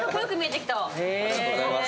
ありがとうございます。